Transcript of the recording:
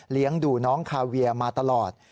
เลี้ยงดูน้องคาเวียมาตลอด